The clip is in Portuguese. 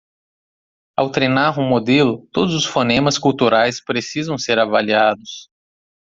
ao treinar um modelo todos os fonemas culturais precisam ser avaliados